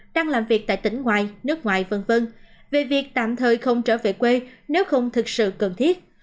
đang làm việc tại tỉnh ngoài nước ngoài v v về việc tạm thời không trở về quê nếu không thực sự cần thiết